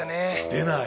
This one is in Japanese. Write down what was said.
出ない。